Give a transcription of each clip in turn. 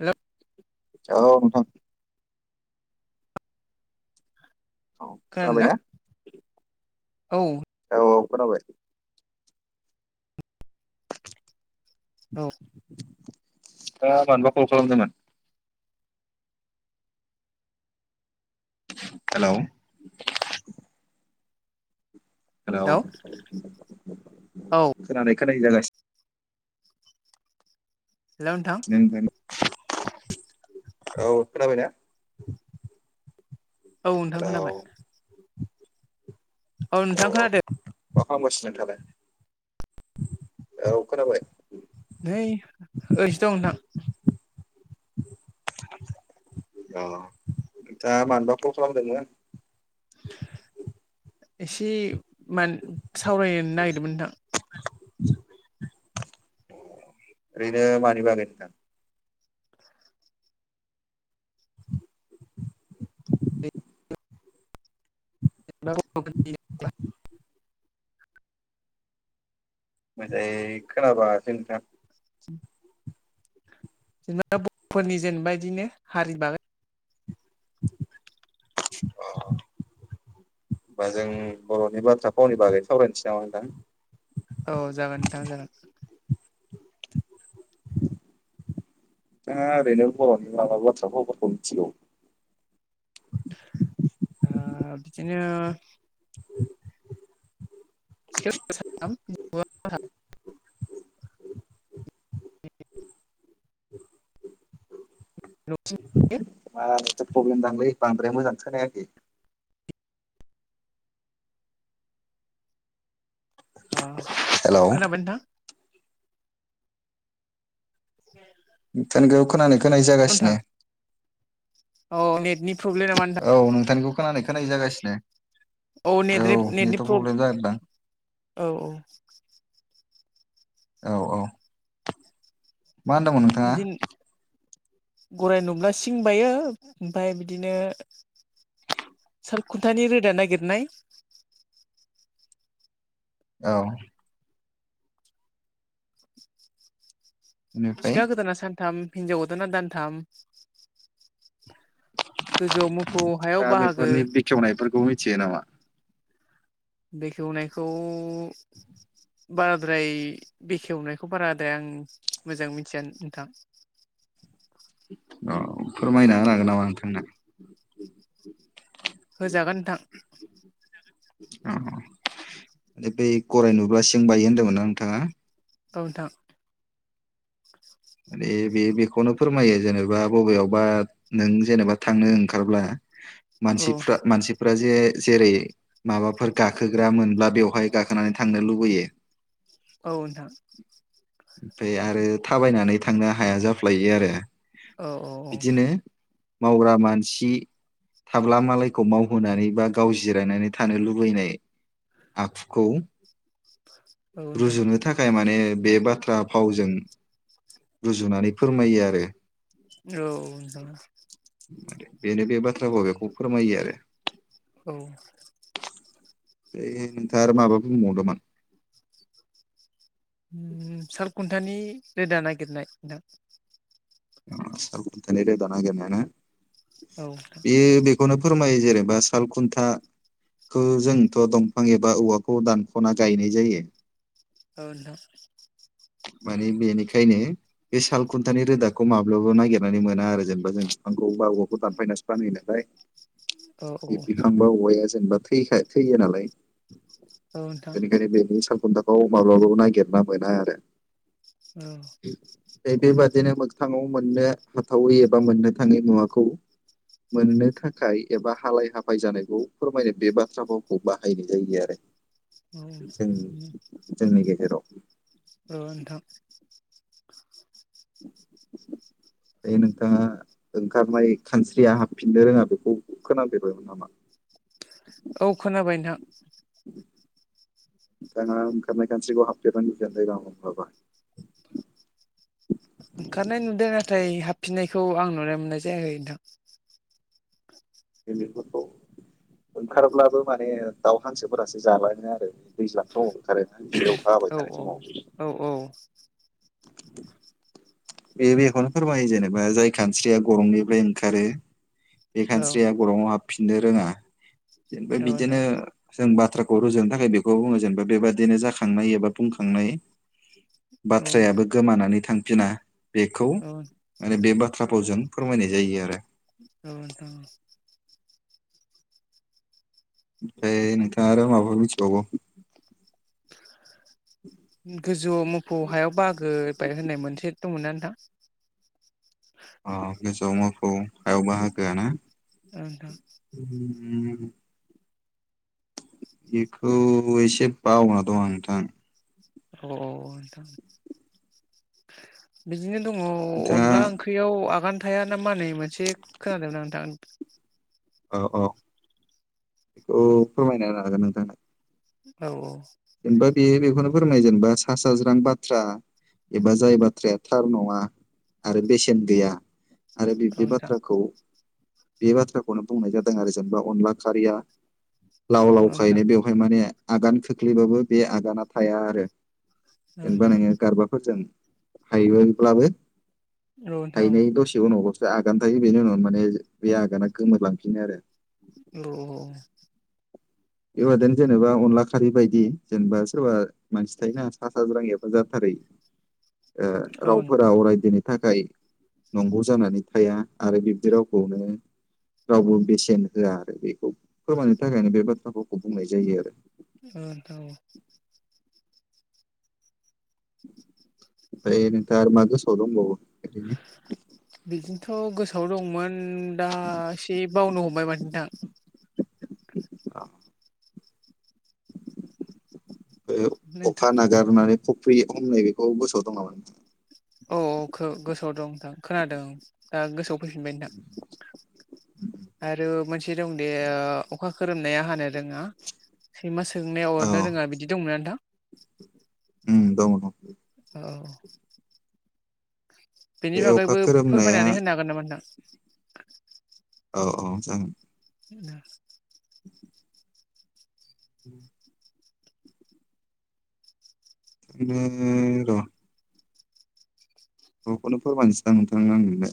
Hello औ नोंथां औ खोनादों ना खोनाबायना औ औ-औ खोनाबाय औ ओ मानोबा कल खालामदोंमोन? हेल' हेल' हेलौ औ खोनानाय खोनायि जागासिनो हेलौ नोंथां नोंथां औ खोनाबायना औ नोंथां खोनाबाय औ नोंथां खोनादो मा खालामगासिनो नोंथांआलाय औ खोनाबाय नै ओइसो दं नोंथां अ नोंथांआ मानोबा कल खालामदोंमोन एसे मान सावरायनो नागिरदोंमोन नोंथां अ ओैरैनो मानि बागै नोंथां [unintelligible] मोजाङै खोनाबाङा सै नोंथां जेनेबा बर'फोरनि जेनेबा इदिनो हारि बागै अ होनबा जों बर'नि बाथ्रा फावनि बागै सावरायनोसै नामा नोंथां औ जागोन नोंथां जागोन नोंथांङा ओरैनो बर'नि माबा बाथ्रा फावफोरखौ मिथिगौ आ बिदिनो [unintelligible] [unintelligible] मार एथ' प्रब्लेम दांलै बांद्राय मोजां खोनायाखै अ हेलौ खोनाबाय नोंथां [unintelligible] नोंथांनिखौ खोनानाय खोनायि नोंथां जागासिनो औ नेटनि प्रब्लेम नामा नोंथां औ नोंथांनिखौ खोनानाय खोनायि जागासिनो औ नेटनि- नेटनि नेथ' प्रब्लेम जादोंदां प्रब-औ औ औ-औ मा होनदोंमोन नोंथाङा बिदिनो गराय नुब्ला सिं बायो ओमफाय बिदिनो सालखुन्थानि रोदा नागिरनाय औ। बेनिफ्राय सिखा गोदाना सानथाम हिनजाव गोदाना दानथाम। गोजौआव मोफौ हायाव दा बाहागो बेफोरनि बेखेवनायफोरखौ मिथियो नामा? बेखेवनायखौ। बाराद्राय बेखेवनायखौ बाराद्राय आं मोजां मिथिया नोंथां। औ फोरमायना होना हागोन नामा नोंथां? होजागोन नोंथां। अ! बे गराय नुब्ला सिं बायो होनदोंमोन ना नोंथाङा? ओ नोंथां। माने बे बेखौनो फोरमायो जेनेबा बबेयावबा नों जेनेबा थांनो ओंखारब्ला। औ मानसिफ्रा-मानसि। फ्रा जे-जेरै माबाफोर गाखोग्रा मोनब्ला बेवहाय गाखोनानै थांनो लुबैयो। नोंथां ओमफाय आरो थाबायनानै थांनो हाया जाफ्लायो आरो। औ-औ-औ। बिदिनो मावग्रा मानसि। थाब्ला मालायखौ मावहोनानै बा गाव जिरायनानै थानो लुबैनाय। आखुखौ। औ नोंथां औ नोंथां रुजुनो थाखाय माने बे बाथ्रा भावजों। रुजुनानै फोरमायो आरो। औ-औ। बेनो बे बाथ्राखौ बेखौ फोरमायो आरो। औ। ओ-ओइ नोंथाङा आरो माबा बुंबावनो नामा? साल खुन्थानि रोदा नागिरनाय नोंथां। साल खुन्थानि रोदा नायगिरनायाना औ बेयो बेखौनो। फोरमायो जेनेबा साल खुन्था। खौ जोंथ' दंफां एबा औवाखौ दानख'ना गायनाय जायो। औ नोंथां। माने बेनिखायनो बे साल खुन्थानि रोदाखौ। खौ माब्लाबबो नागिरनानै मोना आरो जेनेबा जों बिफांखौबा औवाखौ दानफायनानैसो बानायो नालाय। औ बे बिफांबा औवाया जेनेबा थैयोखय-थैयो नालाय। नोंथां औ नोंथां बेनिखायनो बेनि सालखुन्थाखौ माब्लाबाबो नागिरना मोना आरो। औ बे बादिनो। थाङाव मोननो हाथावै एबा मोननो थाङै मुवाखौ। मोननो थाखाय एबा हालाय-हाफाय जानायखौ फोरमायनो बे बाथ्रा भावखौ बाहायनाय जायो आरो। जों औ जोंनि गेजेराव। औ नोंथां [unintelligible] [unintelligible] दायो नोंथाङा ओंखारनाय खानस्रिया हाबफिननो रोङा बेखौ खोनाफेरबायमोन नामा? [unintelligible] औ खोनाबाय नोंथां। नोंथाङा ओंखारनाय खानस्रिखौ हाबफेरनाय नुफेरबाय नामा मब्लाबा? ओंखारनाय नुदों नाथाय हाबफिननायखौ आं नुनो मोननाय जायाखै नोंथां। एनि फत'। ओंखारब्लाबो माने दाउ, हांसोफोरासो जालाङो आरो दैज्लांथ'। खारा बिसोर अखा हाबाय औ थानाय औ समाव। औ औ बे-बेखौनो फोरमायो जेनेबा जाय खानस्रिया गरंनिफ्राय ओंखारो। बे औ खानस्रिया गरङाव हाबफिननो रोङा जेन'बा नोंथां बिदिनो जों बाथ। थ्राखौ रुजुनो थाखाय बेखौ बुङो जेनेबा बेबादिनो जाखांनाय एबा बुंखांनाय। औ बाथ्रायाबो गोमानानै थांफिना बेखौ औ माने बे बाथ्रा। बाथ्रा फावजों फोरमायनाय जायो आरो। औ नोंथां औ। ओमफ्राय नोंथां आरो माबााफोर मिथिबावगौ। गोजौआव मोफौ हायाव बागोबाय होननाय मोनसे दंमोनना नोंथां। अ गोजौआव माखौ हायाव बाहागोआ ना। ओ नोंथां‌ उम। बेखौ एसे बावना दं आं नोंथां। अ नोंथां। [inaudible] बिदिनो दंङ नोंथाङा अनला ओंख्रियाव आगान। थाया ना मा होननाय मोनसे खोनादोंमोनना नोंथां। औ औ बेखौ फोरमायना लाागोन नोंथां। औ औ। जेनबा बियो बेखौनो फोर। फोरमायो जेनेबा सा साज्रां बाथ्रा एबा जाय बाथ्राया थार नंङा। आरो बेसेन गैया आरो बिब्दि औ नोंथां बाथ्राखौ। बे बाथ्राखौनो बुंनाय जादों आरो जेनेबा अनला खारैया। लाव औ नोंथां लावखायनो बेवहाय माने आगान खोख्लैबाबो बे आगाना थाया आरो। औ जेनेबा नोंङो गारबाफोरजों हायबायब्लाबो। नोंथां औ नोंथां औ हायनाय दसे उनावबासो आगान थायो बेनि उनाव माने बे आगाना गोमोरलांफिनो आरो। [inaudible] बेबादिनो जेनेबा अनला खारि बायदि जेनेबा सोरबा मानसि थायोना सा साज्रां एबा जाथारै। ओ औ रावफोरा अराय दिनै। थाखाय नंगौ जानानै थाया आरो बिब्दि रावखौनो। रावबो बेसेन होआ आरो बेखौ फोरमायनो थाखायनो बे बाथ्राफोरखौ बुंनाय जायो आरो। औ नोंथां औ। ओमफ्राय नोंथांङा आरो मा गोसोआव दंबावो। ओरैनो बिदिनोथ गोसोआव दंमोन। उम दा एसे बावनो हमबाय माथो नोंथां। औ। बे नोंथां अखा नागारनानै खफ्रि हमनाय बेखौ गोसोआव दं नामा नोंथांङा। औ औ गोसोआव दं नोंथां खोनादों दा गोसोआव फैफिनबाय नोंथां। आरो मोनसे दंदि अखा खोरोमनाया हानो रोंङा सैमा सों। सोंनायाव अरनो औ रोंङा बिदि दंमोना नोंथां। ओम दंङ दंङ। औ। बेनि बे अखा बागैबो खोरोमनाया फोरमायनानै होनो हागोन नामा नोंथां। औ औ जागोन। उम। उम। इदिनो र। गखौनो फोरमायसै दां नोंथां आं नोंनो।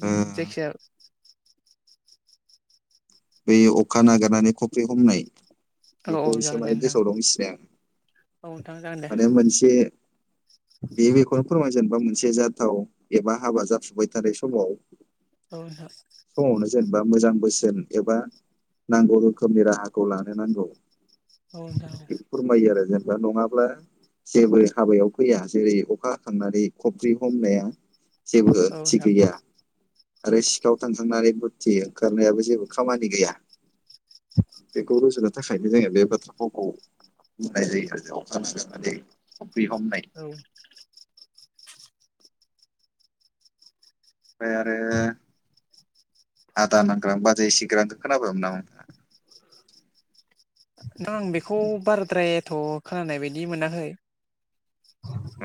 बे ओ जखि जाया‌ बै अखा नागिरनानै फख्रि हमनाय। औ औ बेखौ एसे जागोन दे माने नोंथां गोसोआव दं औ नोंथां जागोन [unintelligible] दे माने मोनसे। बे बेखौनो फोरमायो जेनेबा मोनसे जाथाव एबा हाबा जाफुबाय थानाय समाव। औ नोंथां। समावनो जेनेबा मोजां बोसोन एबा। नांगौ रोखोमनि राहाखौ लानो नांगौ औ नोंथां औ बा नङाब्ला जेबो हाबायाव फैया जेरै अखा हाखांनानै खब्रि हमनाया जेबो थिग नोंथां गैया आरो सिखाव थांखांनानै बुर्दि ओंखारनायाबो जेबो खामानि गैया। बेखौ रुजुनो थाखायनो जोङो बे बाथ्रा फावखौ बाहायनाय जायो आरो अखा हाखांनानै खफ्रि हमनाय। औ नोंथां फ्राय आरो आदा नांग्रां बाजै सिग्रांखो खोनाबायमोन नामा नोंथाङा? नोंथां आं बेखौ बाराद्रायथ' खोनानाय बायदि मोनाखै।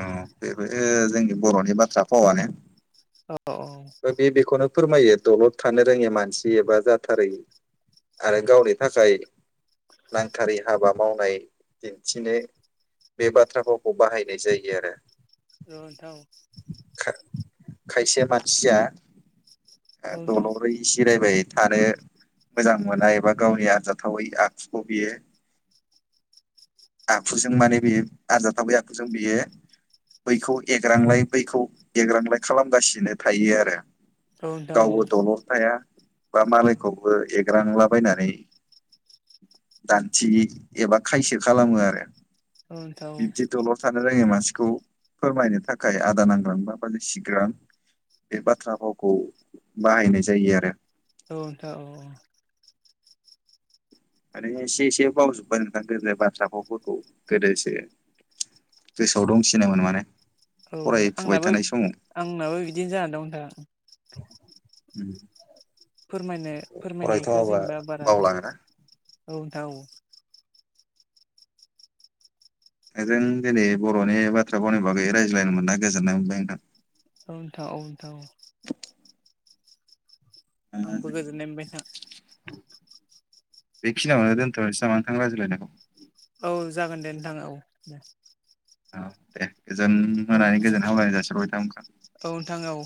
ओ बेबो जोंनि बर'नि बाथ्रा फावानो। औ औ। बे बेखौनो फोरमायो दलद थानो रोङि मानसि एबा जाथारै आरो गावनि थाखाय नांथारै हाबा मावनाय दिन्थिनो बे बाथ्रा फावखौ बाहायनाय जायो आरो। औ नोंथां औ। खायसे मानसिया ओ नोंथां दलरै जिरायबाय थानो मोजां मोनना एबा गावनि आरजाथावै आखुखौ बियो आखुजों माने बेयो आरजाथावै आखुजों बियो बैखौ एग्रांलाय बैखौ एग्रांलाय खालामगासिनो थायो आरो। औ नोंथां औ गावबो दलथ थाया बा मालायखौबो एग्रांलाबायनानै दानथि एबा खायसो खालामो आरो, नोंथां औ बिबदि दलर थानो रोङै मान सिखौ फोरमायनो थाखाय आदा नांग्रां बा बाजै सिग्रां बे बाथ्रा भावखौ बाहायनाय जायो आरो। औ नोंथां औ औ। माने एसे एसे बावजोब्बाय नोंथां गोदो बाथ्रा फावफोरखौ गोदोसो गोसोआव दंसिनोमोन माने औ फरायफुबाय आंनाबो थानाय समाव आंनाबो बिदिनो जानानै दं नोंथां। ओम। फोरमायनो फोरमायनायखौ जेनेबा बारा बावलाङोना औ नोंथां औ। नोंजों दिनै बर'नि बाथ्रा फावनि बागै रायज्लायनो मोना गोजोननाय मोनबाय नोंथां। औ नोंथां औ नोंथां औ। आंबो जों गोजोननाय मोनबाय नोंथां। बेखिनियावनो दोनथ'नोसै नामा नोंथां रायज्लायनायखौ? औ जागोन दे नोंथां औ दे। औ दे गोजोन औ मोनानि नोंथां दे गोजोन हामलायनाय जासिहरबाय नोंथांमोनखौ। औ नोंथां औ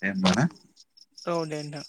दे होमबा ना? औ दे नोंथां।